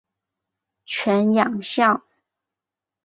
犬养孝。